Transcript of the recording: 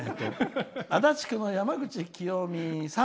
足立区のやまぐちきよみさん。